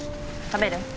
食べる？